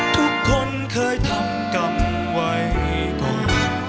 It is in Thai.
ทุกคนเคยทำกรรมไว้ก่อน